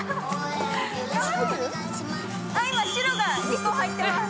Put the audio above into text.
今白が１個入ってます。